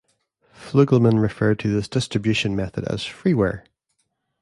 Fluegelman referred to this distribution method as "freeware".